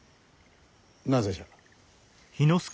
なぜじゃ？